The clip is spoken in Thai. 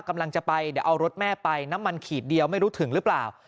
กำลังจะไปเดี๋ยวเอารถแม่ไปน้ำมันขีดเดียวไม่รู้ถึงหรือเปล่า